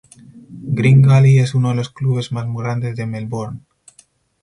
Green Gully es uno de los clubes más grandes de Melbourne.